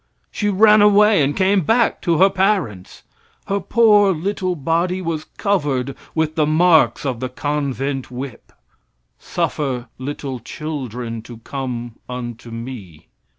She ran away and came back to her parents. Her poor little body was covered with the marks of the convent whip. "Suffer little children to come unto me."